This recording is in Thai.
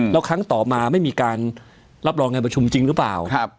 แล้วครั้งต่อมาไม่มีการรับรองงานประชุมจริงหรือเปล่า